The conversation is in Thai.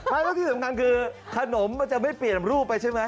ไม่แล้วที่สำคัญคือขนมมันจะไม่เปลี่ยนรูปไปใช่ไหม